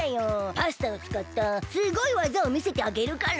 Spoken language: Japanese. パスタをつかったすごいわざをみせてあげるから。